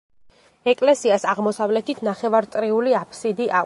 ეკლესიას აღმოსავლეთით ნახევარწრიული აფსიდი აქვს.